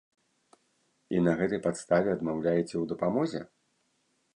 І на гэтай падставе адмаўляеце ў дапамозе?